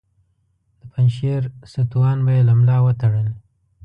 د پنجشیر ستوان به یې له ملا وتړل.